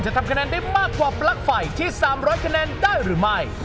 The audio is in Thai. ทำคะแนนได้มากกว่าปลั๊กไฟที่๓๐๐คะแนนได้หรือไม่